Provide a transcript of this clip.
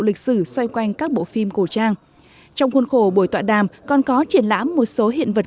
lịch sử xoay quanh các bộ phim cổ trang trong khuôn khổ buổi tọa đàm còn có triển lãm một số hiện vật